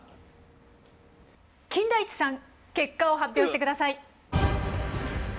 金田一さん結果を発表してください。